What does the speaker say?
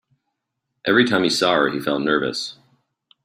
Every time he saw her, he felt nervous.